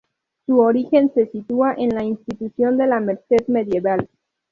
Su origen se sitúa en la institución de la Merced medieval.